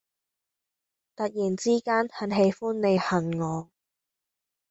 突然之間很喜歡你恨我